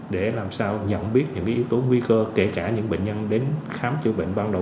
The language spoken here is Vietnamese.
để làm sao nhận biết những yếu tố nguy cơ kể cả những bệnh nhân đến khám chữa bệnh ban đầu